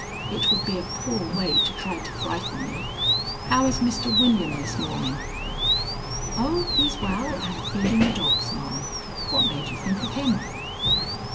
It would be a poor way to try to frighten me. How is Mr. William this morning?" "Oh, he's well and feeding the dogs, ma'am. What made you think of him?"